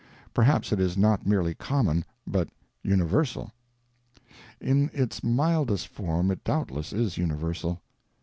Perhaps it is not merely common, but universal. In its mildest form it doubtless is universal.